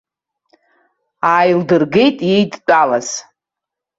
Ааилдыргеит иеидтәалаз.